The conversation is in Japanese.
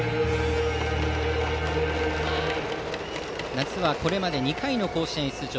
夏はこれまで２回の甲子園出場。